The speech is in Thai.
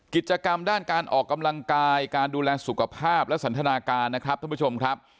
กิจกรรมด้านการออกกำลังกายการดูแลสุขภาพและสันทนาการนะครับท่านผู้ชมครับ